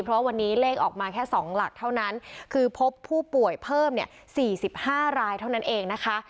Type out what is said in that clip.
เพราะวันนี้เลขออกมาแค่๒หลักเท่านั้นคือพบผู้ป่วยเพิ่มเนี่ย๔๕รายเท่านั้นเองนะคะ